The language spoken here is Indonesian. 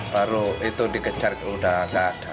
baru itu dikejar udah gak ada